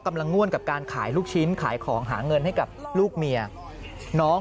ง่วนกับการขายลูกชิ้นขายของหาเงินให้กับลูกเมียน้อง